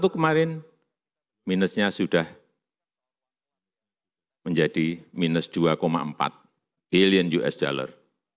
dua ribu dua puluh satu kemarin minusnya sudah menjadi minus dua empat billion us dollar